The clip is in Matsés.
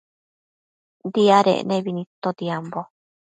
Diadec nebi nidtotiambo